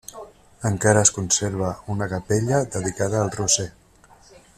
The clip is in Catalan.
Encara es conserva una capella dedicada al Roser.